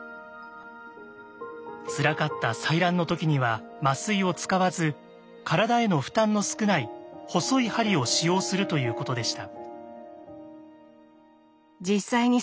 つらかった採卵の時には麻酔を使わず体への負担の少ない細い針を使用するということでした。